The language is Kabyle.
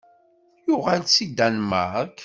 Yuɣal-d seg Danmark.